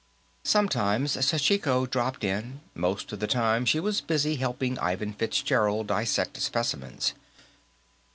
Sometimes Sachiko dropped in; most of the time she was busy helping Ivan Fitzgerald dissect specimens.